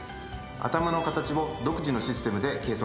頭の形を独自のシステムで計測。